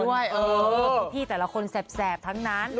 พี่แต่ละคนแสบทั้งนั้น